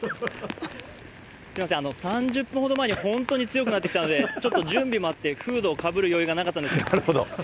すみません、３０分ほど前に本当に強くなってきたので、ちょっと準備もあって、フードをかぶる余裕がなかったんですが。